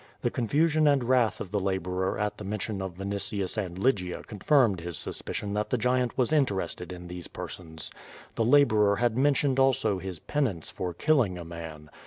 The confusion and wrath of the laborer at the mention of Vinitius and Ly gia confirmed his suspicion that the giant was interested in these persons. The laborer had mentioned also his penance for killing a man.